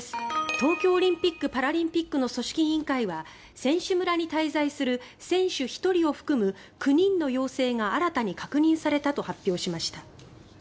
東京オリンピック・パラリンピックの組織委員会は選手村に滞在する選手１人を含む９人の陽性が新たに確認されたと発表しました。